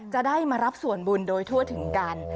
จะได้มารับส่วนบุญโดยทั่วถึงกัน